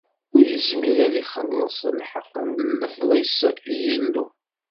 Ur izmir ad ixelleṣ lḥeqq n lefdi-s i Yillu.